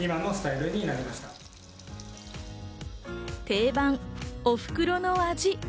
定番、おふくろの味。